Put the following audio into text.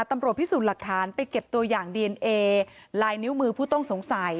ตำรวจพิสูจน์หลักฐานไปเก็บตัวอย่างดีเอนเอลายนิ้วมือผู้ต้องสงสัย